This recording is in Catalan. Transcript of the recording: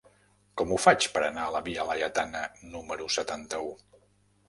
Com ho faig per anar a la via Laietana número setanta-u?